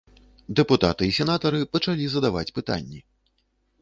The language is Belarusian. Дэпутаты і сенатары пачалі задаваць пытанні.